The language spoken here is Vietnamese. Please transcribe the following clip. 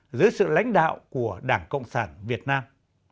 dưới sự lãnh đạo của đảng cộng sản việt nam